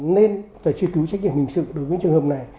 nên phải truy cứu trách nhiệm hình sự đối với trường hợp này